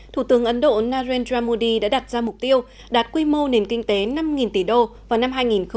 thủ tướng ấn độ narendra modi đã đặt ra mục tiêu đạt quy mô nền kinh tế năm tỷ đô vào năm hai nghìn ba mươi